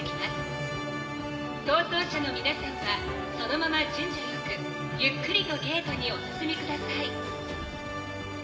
逃走者の皆さんはそのまま順序よくゆっくりとゲートにお進みください。